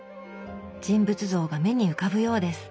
人物像が目に浮かぶようです。